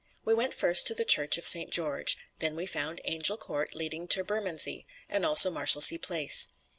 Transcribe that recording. We went first to the church of Saint George; then we found Angel Court leading to Bermondsey, also Marshalsea Place.